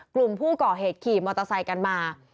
กลุ่มผู้ก่อเหตุขี่มอเตอร์ไซค์กันมา